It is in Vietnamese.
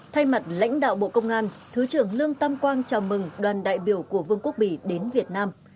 thay mặt lãnh đạo bộ công an thứ trưởng lương tam quang chào mừng đoàn đại biểu của vương quốc bỉ đến việt nam